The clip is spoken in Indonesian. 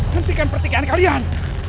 hentikan pertikaian kalian